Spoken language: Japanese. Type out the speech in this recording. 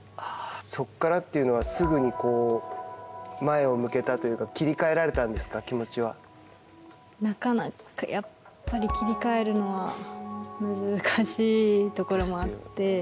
そこからというのは、すぐに前を向けたというか、切りかえられなかなかやっぱり切り替えるのは難しいところもあって。